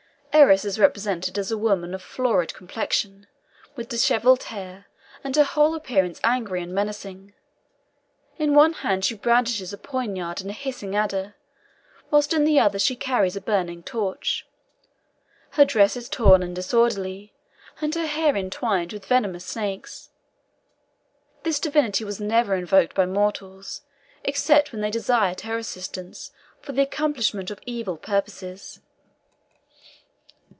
Eris is represented as a woman of florid complexion, with dishevelled hair, and her whole appearance angry and menacing. In one hand she brandishes a poniard and a hissing adder, whilst in the other she carries a burning torch. Her dress is torn and disorderly, and her hair intertwined with venomous snakes. This divinity was never invoked by mortals, except when they desired her assistance for the accomplishment of evil purposes.